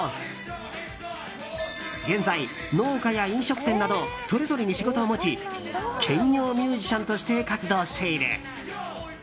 現在、農家や飲食店などそれぞれに仕事を持ち兼業ミュージシャンとして活動している。